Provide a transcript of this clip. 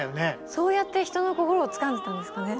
そうやって人の心をつかんでたんですかね。